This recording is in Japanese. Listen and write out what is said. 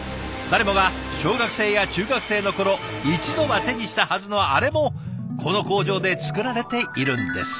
誰もが小学生や中学生の頃一度は手にしたはずのあれもこの工場で作られているんです。